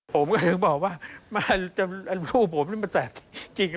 ผมก็ถึงบอกว่าแม่รูปผมนี่มันแปลกจริง